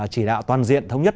chỉ đạo toàn diện thống nhất